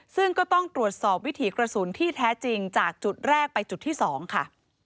ซึ่งก็ต้องตรวจสอบวิถีกระสุนที่แท้จริงจากจุดแรกไปจุดที่๒ค่ะ